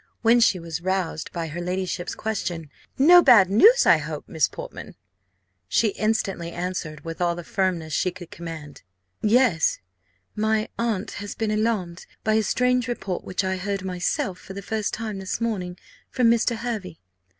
When she was roused by her ladyship's question, "No bad news, I hope, Miss Portman?" she instantly answered, with all the firmness she could command. "Yes. My aunt has been alarmed by a strange report which I heard myself for the first time this morning from Mr. Hervey.